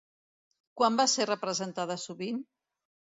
Quan va ser representada sovint?